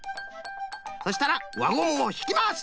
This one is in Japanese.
そしたら輪ゴムをひきます！